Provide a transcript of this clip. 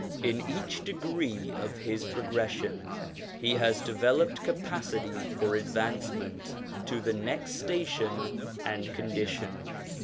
In each degree of his progression he has developed capacity for advancement to the next station and condition.